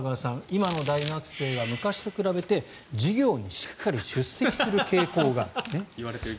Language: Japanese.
今の大学生は昔と比べて授業にしっかり出席する傾向がある。